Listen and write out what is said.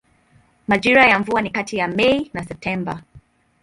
Majira ya mvua ni kati ya Mei na Septemba.